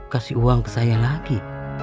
kasih uang ke saya lagi